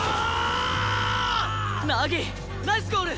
凪ナイスゴール！